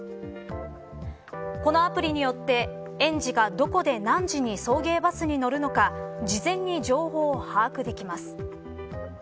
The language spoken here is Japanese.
このアプリによって園児がどこで何時に送迎バスに乗るのか事前に情報を把握できます。